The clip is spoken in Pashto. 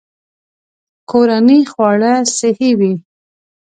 کورني خواړه صحي وي.